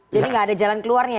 jadi gak ada jalan keluarnya